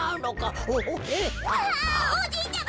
あおじいちゃま！